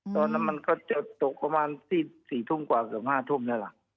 ตอนนั้นมันก็จะตกประมาณ๔ทุ่มกว่าเกือบ๕ทุ่มแล้วล่ะ